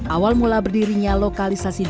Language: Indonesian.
awal mula berdirinya lokalisasi desa